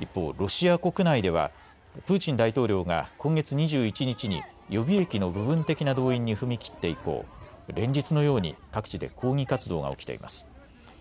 一方、ロシア国内ではプーチン大統領が今月２１日に予備役の部分的な動員に踏み切って以降、連日のように各地で抗議活動が起きています。